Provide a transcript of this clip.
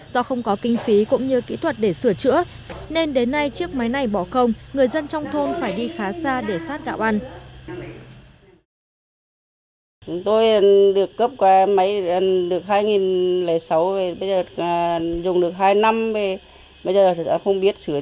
do không có kinh phí cũng như kỹ thuật để sửa chữa nên đến nay chiếc máy này bỏ không người dân trong thôn phải đi khá xa để sát gạo ăn